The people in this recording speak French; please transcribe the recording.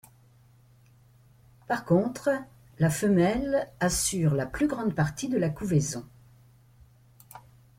Par contre, la femelle assure la plus grande partie de la couvaison.